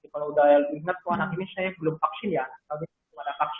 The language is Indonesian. kalau sudah ingat tuh anak ini saya belum vaksin ya anak